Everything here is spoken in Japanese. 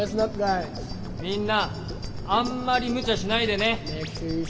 ｇｕｙｓ．みんなあんまりむちゃしないでね。